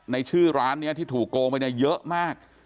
ในชื่อร้านที่ถูกโกงไปเยอะมาก